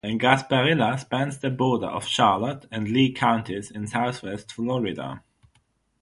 Gasparilla spans the border of Charlotte and Lee Counties in Southwest Florida.